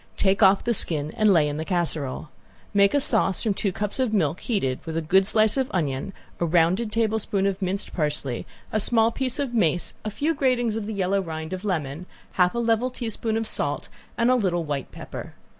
Take off the skin and lay in the casserole. Make a sauce from two cups of milk heated, with a good slice of onion, a rounding tablespoon of minced parsley, a small piece of mace, a few gratings of the yellow rind of lemon, half a level teaspoon of salt, and a little white pepper.